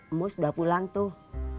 emus udah pulang tuh